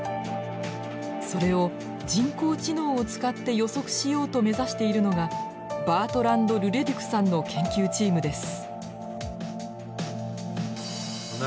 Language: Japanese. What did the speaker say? それを人工知能を使って予測しようと目指しているのがバートランド・ルレデュクさんの研究チームです。